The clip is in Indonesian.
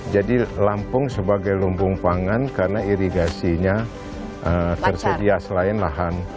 lampung sebagai lumbung pangan karena irigasinya tersedia selain lahan